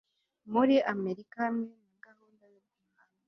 muri amerika hamwe na gahunda yo guhanga